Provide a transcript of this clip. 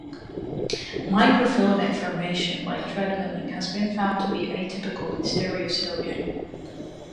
Microfilament formation by treadmilling has been found to be atypical in stereocilia.